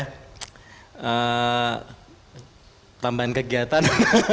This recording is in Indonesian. ya tambahan kegiatan